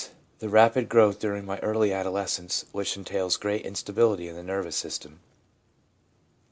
the rapid growth during early adolescence, which entails great instability in the nervous system.